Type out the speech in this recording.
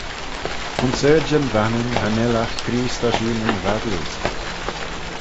Ayns ardjyn Vannin cha nel agh tree stashoonyn radio.